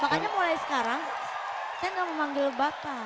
makanya mulai sekarang saya gak mau manggil bapak